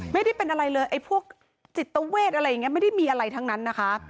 ไม่ได้เป็นอะไรเลยไอ้พวกจิตเวทอะไรอย่างนี้ไม่ได้มีอะไรทั้งนั้นนะคะ